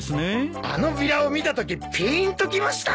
あのビラを見たときピーンときました。